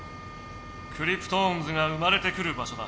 クリプトオンズが生まれてくる場所だ。